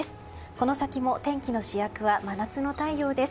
この先も天気の主役は真夏の太陽です。